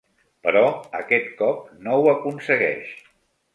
Però aquest cop no ho aconsegueix.